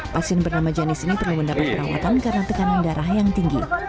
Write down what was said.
pasien bernama janis ini perlu mendapat perawatan karena tekanan darah yang tinggi